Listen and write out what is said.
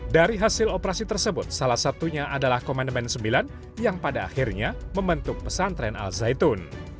dari hasil operasi tersebut salah satunya adalah komandemen sembilan yang pada akhirnya membentuk pesantren al zaitun